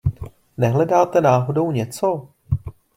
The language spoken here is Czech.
Nehledáte náhodou něco?